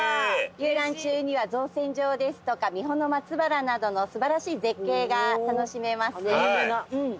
遊覧中には造船場ですとか三保松原などの素晴らしい絶景が楽しめます。